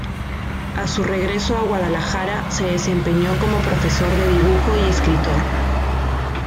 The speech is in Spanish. A su regreso a Guadalajara se desempeñó como profesor de dibujo y escritor.